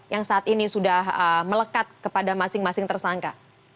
yang saat ini sudah melekat kepada masing masing tersangka